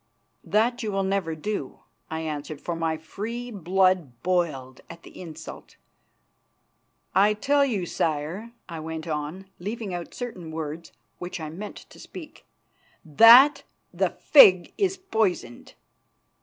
"That you will never do," I answered, for my free blood boiled at the insult. "I tell you, Sire," I went on, leaving out certain words which I meant to speak, "that the fig is poisoned."